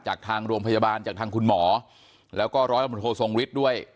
จากทางโรงพยาบาลจากทางคุณหมอแล้วก็ร้อยตำรวจโททรงฤทธิ์ด้วย